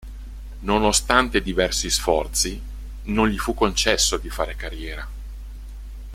Nonostante diversi sforzi, non gli fu concesso di fare carriera.